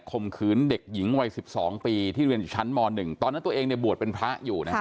คมขืนเด็กหญิงวัยสิบสองปีที่เรียนชั้นมหนึ่งตอนนั้นตัวเองเนี่ยบวชเป็นพระอยู่นะ